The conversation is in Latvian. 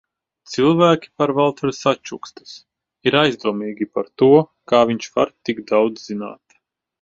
Cilvēki par Valteru sačukstas, ir aizdomīgi par to, kā viņš var tik daudz zināt.